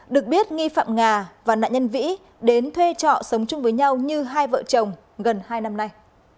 được biết nghi phạm ngà và nạn nhân vĩ đến thuê trọ sống chung với nhau như hai vợ chồng gần hai năm nay